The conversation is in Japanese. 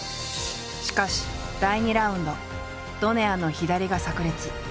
しかし第２ラウンドドネアの左が炸裂。